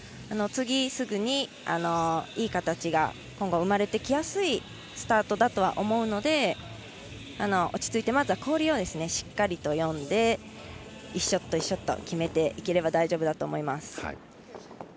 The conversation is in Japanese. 次すぐに、いい形が今後、生まれてきやすいスタートだと思うので落ち着いてまず氷をしっかり読んで１ショット、１ショット決めていければ大丈夫だと思います。